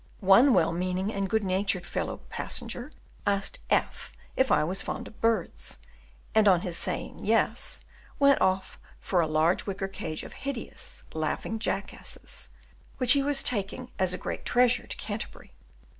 One well meaning and good natured fellow passenger asked F if I was fond of birds, and on his saying "Yes," went off for a large wicker cage of hideous "laughing Jackasses," which he was taking as a great treasure to Canterbury.